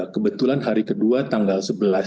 kebetulan hari kedua tanggal sebelas